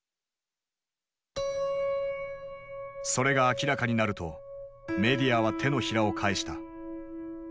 それが明らかになるとメディアは手のひらを返した。